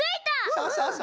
そうそうそう。